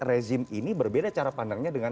rezim ini berbeda cara pandangnya dengan